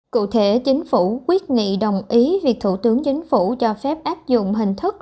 cụ thể chính phủ quyết nghị đồng ý việc thủ tướng chính phủ cho phép áp dụng hình thức